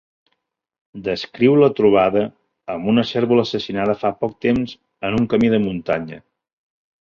Descriu la trobada amb una cérvola assassinada fa poc temps en un camí de muntanya.